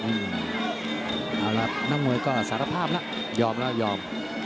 อืมเอาละน้องมวยก็สารภาพละยอมแล้วยอม